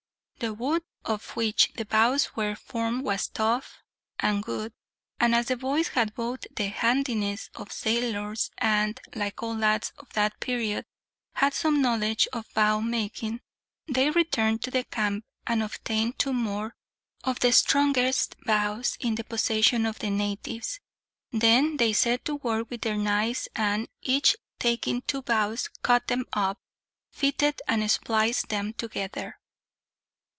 The wood of which the bows were formed was tough and good, and as the boys had both the handiness of sailors and, like all lads of that period, had some knowledge of bow making, they returned to the camp, and obtained two more of the strongest bows in the possession of the natives. They then set to work with their knives and, each taking two bows, cut them up, fitted, and spliced them together.